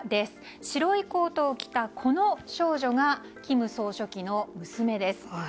白いコートを着た、この少女が金総書記の娘です。